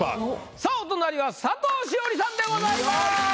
さぁお隣は佐藤詩織さんでございます。